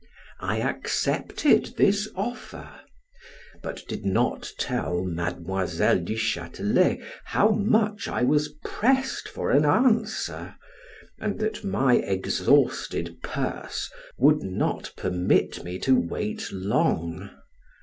I accepted this offer; but did not tell Mademoiselle du Chatelet how much I was pressed for an answer, and that my exhausted purse would not permit me to wait long.